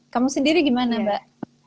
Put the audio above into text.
kamu sendiri gimana mbak